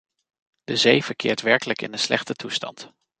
De zee verkeert werkelijk in een slechte toestand.